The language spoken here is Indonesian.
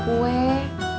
buat bantuin bikin kue